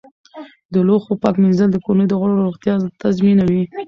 د لوښو پاک مینځل د کورنۍ د غړو روغتیا تضمینوي.